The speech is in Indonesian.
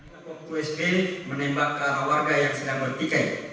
pelaku diketahui menembakkan warga yang sedang bertikai